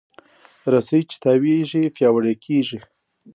رسۍ چې تاوېږي، پیاوړې کېږي.